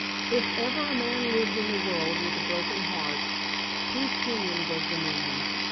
If ever a man lived in the world with a broken heart, Keith Kenyon was the man.